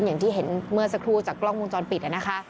อย่างที่เห็นเมื่อสักครู่จากกล้องวงจรปิดนะคะ